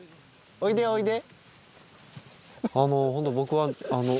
おいでおいで。